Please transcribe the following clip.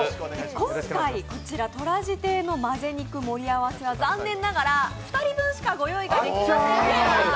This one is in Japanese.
今回こちらとらじ亭のまぜ肉盛り合わせは残念ながら２人分しかご用意ができませんでした。